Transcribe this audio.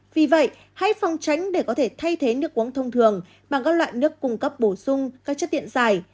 vì vậy hãy phòng tránh để có thể thay thế nước uống thông thường bằng các loại nước cung cấp bổ sung các chất điện dài